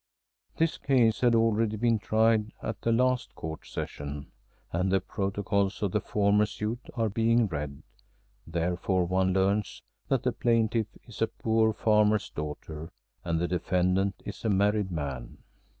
This case had already been tried at the last Court Session, and the protocols of the former suit are being read; therefore one learns that the plaintiff is a poor farmer's daughter and the defendant is a married man.